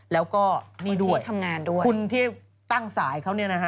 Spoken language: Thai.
แล้วก็นี่ด้วยคุณที่ตั้งสายเขา